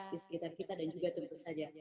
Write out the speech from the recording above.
di sekitar kita dan juga tentu saja